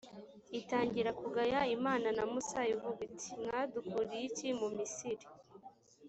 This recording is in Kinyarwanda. itangira kugaya imana na musa ivuga iti «mwadukuriye iki mu misiri.